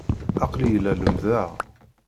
Aql-iyi la lemmdeɣ.